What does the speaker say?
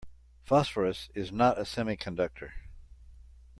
Phosphorus is not a semiconductor.